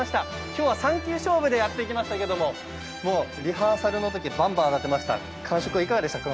今日は３球勝負でやっていきましたけれども、リハーサルのときバンバン上がっていました、本番の感触はいかがですか？